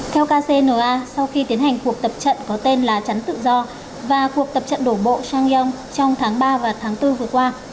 theo kcna sau khi tiến hành cuộc tập trận có tên là chắn tự do và cuộc tập trận đổ bộ chang yong trong tháng ba và tháng bốn vừa qua